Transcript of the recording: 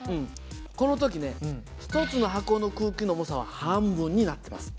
この時ね１つの箱の空気の重さは半分になってます。